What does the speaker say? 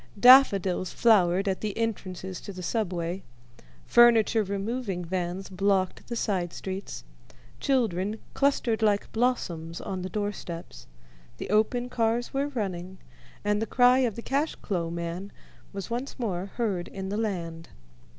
Daffodils flowered at the entrances to the Subway, furniture removing vans blocked the side streets, children clustered like blossoms on the doorsteps, the open cars were running, and the cry of the "cash clo'" man was once more heard in the land.